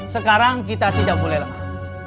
sekarang kita tidak boleh lemah